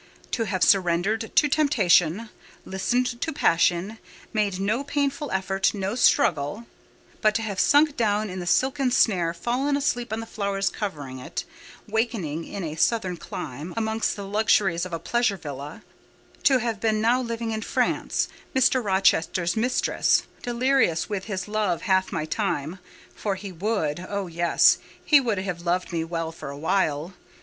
—To have surrendered to temptation; listened to passion; made no painful effort—no struggle;—but to have sunk down in the silken snare; fallen asleep on the flowers covering it; wakened in a southern clime, amongst the luxuries of a pleasure villa: to have been now living in France, Mr. Rochester's mistress; delirious with his love half my time—for he would—oh, yes, he would have loved me well for a while.